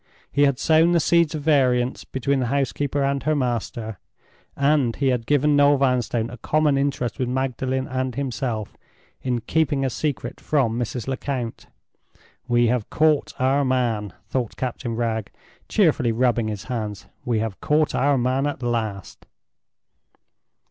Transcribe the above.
He had sown the seeds of variance between the housekeeper and her master, and he had given Noel Vanstone a common interest with Magdalen and himself, in keeping a secret from Mrs. Lecount. "We have caught our man," thought Captain Wragge, cheerfully rubbing his hands—"we have caught our man at last!"